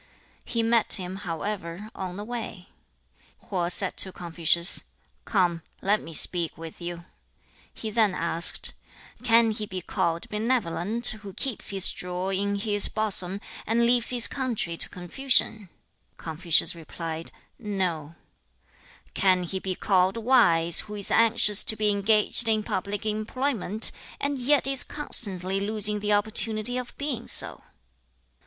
He met him, however, on the way. 2. Ho said to Confucius, 'Come, let me speak with you.' He then asked, 'Can he be called benevolent who keeps his jewel in his 事而亟失時/可謂知乎.曰/不可.日月逝矣/歲不我與.孔子曰/諾/吾 將仕矣. [第二章]子曰/性相近也/習相遠也. [第三章]子曰/唯上知與下愚不移. bosom, and leaves his country to confusion?' Confucius replied, 'No.' 'Can he be called wise, who is anxious to be engaged in public employment, and yet is constantly losing the opportunity of being so?'